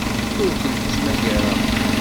Ur kent-ttmagareɣ.